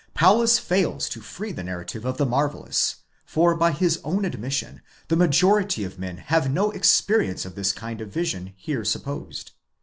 Paulus fails to free the narrative of the marvellous; for by his own admission, the majority of men have no experience of the kind of vision here supposed.